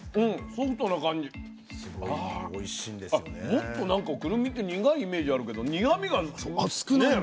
もっとなんかくるみって苦いイメージあるけど苦みが少ない。